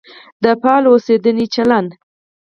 د فعال اوسېدنې چلند.